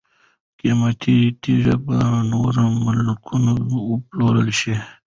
قیمتي تیږي په نورو ملکونو وپلورل شي.